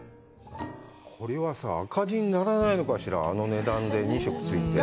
これはさあ、赤字にならないのかしら、あの値段で、２食ついて。